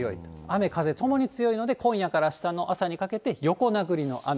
雨風ともに強いので、今夜からあしたの朝にかけて、横殴りの雨。